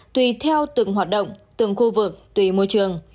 tùy theo từng hoạt động từng khu vực tùy môi trường